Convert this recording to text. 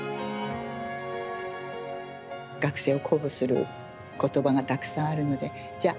学生を鼓舞する言葉がたくさんあるのでじゃ